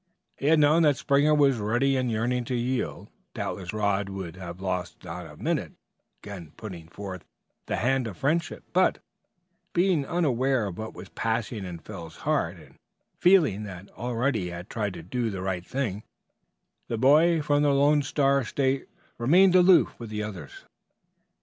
Had he known that Springer was ready and yearning to yield, doubtless Rod would have lost not a minute in again putting forth the hand of friendship; but, being unaware of what was passing in Phil's heart, and feeling that already he had tried to do the right thing, the boy from the Lone Star State remained aloof with the others.